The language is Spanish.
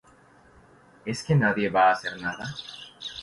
¿Es que nadie va a hacer nada?